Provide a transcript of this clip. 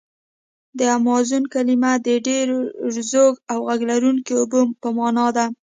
د امازون کلمه د ډېر زوږ او غږ لرونکي اوبو په معنا ده.